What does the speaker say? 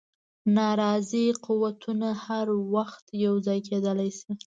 ناراضي قوتونه هر وخت یو ځای کېدلای شي.